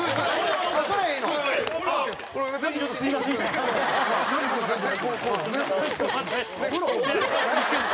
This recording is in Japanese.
蛍原：何してんの？